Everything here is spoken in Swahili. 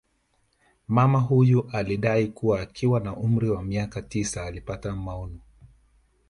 Mama huyu alidai kuwa akiwa na umri wa miaka tisa alipata maono